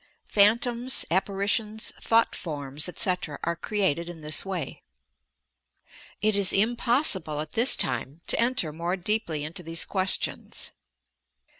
Phantoms, Appari tions, Thought Forms, etc., are created in this way. It is impossible at this time, to enter more deeply into these questions.